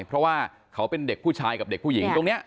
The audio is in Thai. เพราะว่าเขาเป็นเด็กผู้ชายกับเด็กผู้หญิงตรงนี้